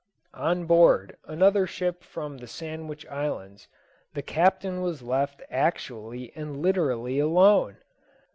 On board another ship from the Sandwich Islands the captain was left actually and literally alone.